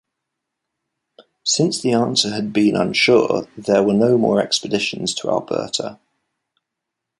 Since the answer had been unsure, there were no more expeditions to Alberta.